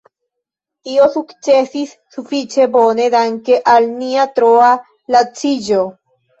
Tio sukcesis sufiĉe bone danke al nia troa laciĝo.